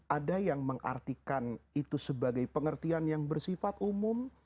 ada yang mengartikan itu sebagai pengertian yang bersifat umum